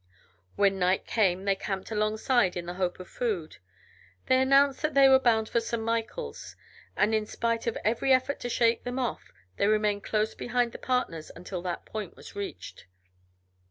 When night came they camped alongside, in the hope of food. They announced that they were bound for St. Michaels, and in spite of every effort to shake them off they remained close behind the partners until that point was reached.